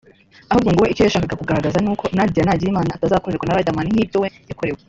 ahubwo ngo we icyo yashakaga kugaragaza ni uko Nadia nagira Imana atazakorerwa na Riderman nk’ibyo we yakorewe